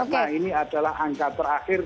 karena ini adalah angka terakhir